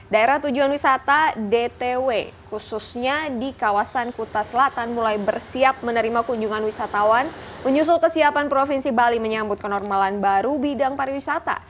daerah tujuan wisata dtw khususnya di kawasan kuta selatan mulai bersiap menerima kunjungan wisatawan menyusul kesiapan provinsi bali menyambut kenormalan baru bidang pariwisata